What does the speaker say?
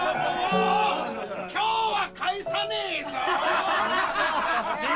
今日は帰さねぇぞ！